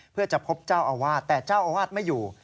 เพื่อจะพบเจ้าอาวาสแต่เจ้าอาวาสไม่อยู่